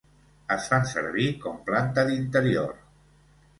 Es fan servir com planta d'interior.